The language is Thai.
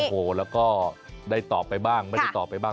โอ้โหแล้วก็ได้ตอบไปบ้างไม่ได้ตอบไปบ้าง